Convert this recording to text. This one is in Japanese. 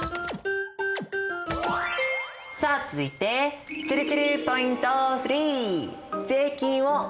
さあ続いてちぇるちぇるポイント３！